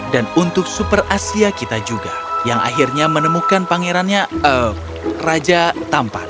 dan untuk super asia kita juga yang akhirnya menemukan pangerannya eeem raja tampan